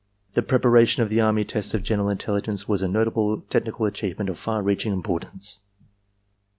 The preparation of the army tests of general in telligence was a notable technical achievement of far reaching importance."